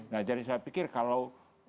nah jadi saya pikir kalau